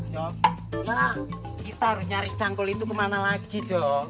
jok kita harus nyari cangkul itu kemana lagi jok